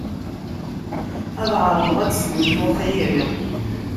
Ad εerḍeɣ ad d-snulfuɣ tayri